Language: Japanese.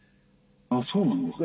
そうなんですか？